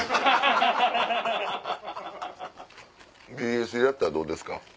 ＢＳでやったらどうですか？